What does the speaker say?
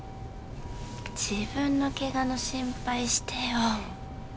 自分のケガの心配してよ